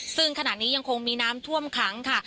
ซึ่งขนาดนี้มาอยู่คงมีน้ำถ้วมขังค่ะ